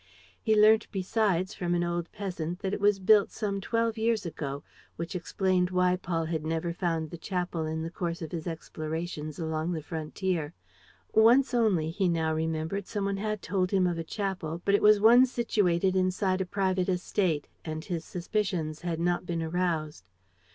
He learnt besides from an old peasant that it was built some twelve years ago, which explained why Paul had never found the chapel in the course of his explorations along the frontier. Once only, he now remembered, some one had told him of a chapel; but it was one situated inside a private estate; and his suspicions had not been aroused.